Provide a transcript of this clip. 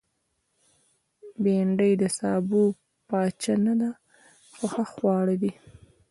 بېنډۍ د سابو پاچا نه ده، خو ښه خوړه ده